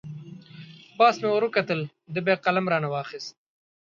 پاس مې ور وکتل، ده بیا قلم را نه واخست.